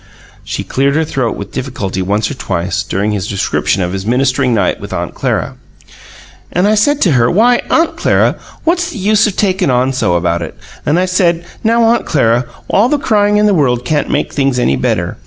She cleared her throat with difficulty once or twice, during his description of his ministering night with Aunt Clara. "And I said to her, 'Why, Aunt Clara, what's the use of takin' on so about it?' And I said, 'Now, Aunt Clara, all the crying in the world can't make things any better.'